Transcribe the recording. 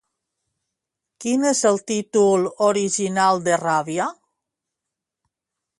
Quin és el títol original de Ràbia?